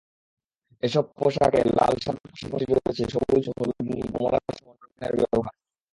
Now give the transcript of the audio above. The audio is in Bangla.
এসব পোশাকে লাল-সাদার পাশাপাশি রয়েছে সবুজ, হলুদ, নীল, কমলাসহ নানা রঙের বাহার।